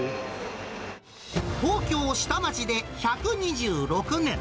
東京下町で１２６年。